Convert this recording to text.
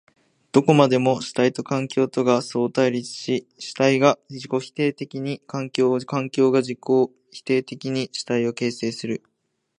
どこまでも主体と環境とが相対立し、主体が自己否定的に環境を、環境が自己否定的に主体を形成する。